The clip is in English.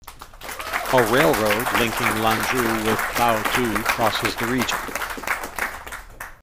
A railroad, linking Lanzhou with Baotou, crosses the region.